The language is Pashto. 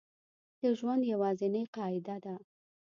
د ژوند یوازینۍ قاعده ده